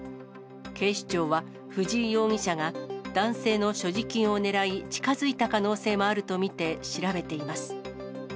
警視庁は、藤井容疑者が男性の所持金を狙い、近づいた可能性もあると見て、調べています。